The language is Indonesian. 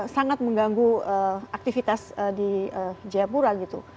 sangat mengganggu aktivitas di jaipura